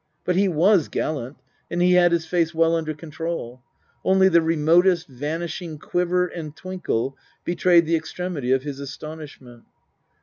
But he was gallant, and he had his face well under control. Only the remotest, vanishing quiver and twinkle betrayed the extremity of his astonishment.